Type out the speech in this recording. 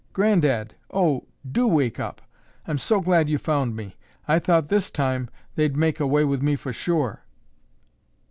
Granddad! Oh, do wake up. I'm so glad you found me. I thought this time they'd make away with me for sure."